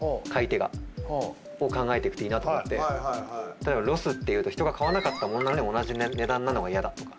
例えばロスっていうと人が買わなかったものなのに同じ値段なのが嫌だとか。